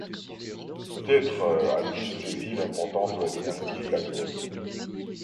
Peut-être a-t-il saisi l’importance de la dynastie flavienne.